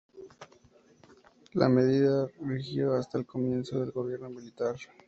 La medida rigió hasta el comienzo del gobierno militar.